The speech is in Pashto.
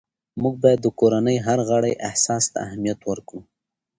موږ باید د کورنۍ هر غړي احساس ته اهمیت ورکړو